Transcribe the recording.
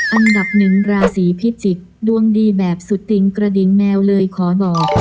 อันดับหนึ่งราศีพิจิกษ์ดวงดีแบบสุดติงกระดิ่งแมวเลยขอบอก